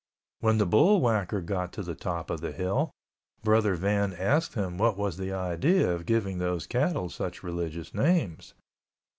When the bull whacker got to the top of the hill, Brother Van asked him what was the idea of giving those cattle such religious names.